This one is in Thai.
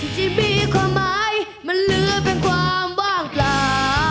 ที่มีความหมายมันเหลือเป็นความว่างปลา